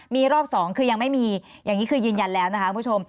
มีรอบสองคือยังไม่มีอย่างนี้คือยืนยันแล้วนะคะคุณผู้ชม